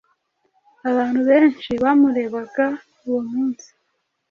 Abantu benshi bamurebaga uwo munsi